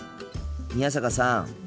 宮坂さん。